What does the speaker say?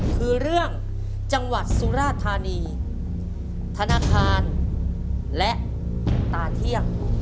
คือเรื่องจังหวัดสุราธานีธนาคารและตาเที่ยง